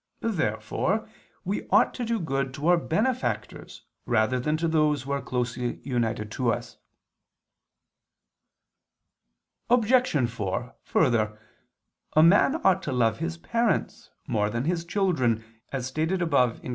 Therefore we ought to do good to our benefactors rather than to those who are closely united to us. Obj. 4: Further, a man ought to love his parents more than his children, as stated above (Q.